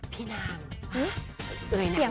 ผู้คราวครอง